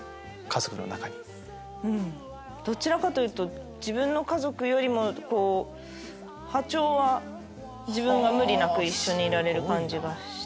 どちらかというと自分の家族よりも波長は自分が無理なく一緒にいられる感じがして。